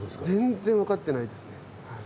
全然分かってないですね。